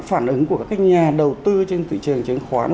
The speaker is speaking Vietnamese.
phản ứng của các nhà đầu tư trên thị trường chứng khoán